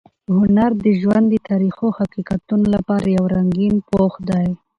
هنر د ژوند د تریخو حقیقتونو لپاره یو رنګین پوښ دی.